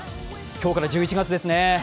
今日から１１月ですね。